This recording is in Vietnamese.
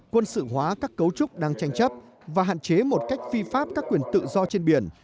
quân sự hóa các cấu trúc đang tranh chấp và hạn chế một cách phi pháp các quyền tự do trên biển